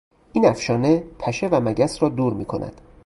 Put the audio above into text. این افشانه پشه و مگس را دور میکند.